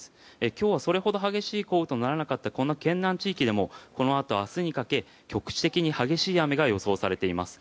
今日はそれほど激しい雨とならなかった県南地域に比べると局地的に激しい雨が予想されています。